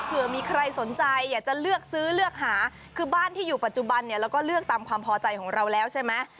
เผื่อมีใครสนใจอยากจะเลือกซื้อเลือกหาคือบ้านที่อยู่ปัจจุบันเนี่ยเราก็เลือกตามความพอใจของเราแล้วใช่ไหม